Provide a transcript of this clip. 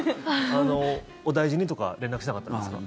お大事にとか連絡しなかったんですか？